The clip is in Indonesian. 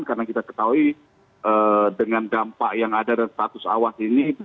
karena kita ketahui dengan dampak yang ada dan status awas ini